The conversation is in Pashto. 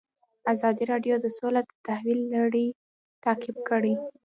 ازادي راډیو د سوله د تحول لړۍ تعقیب کړې.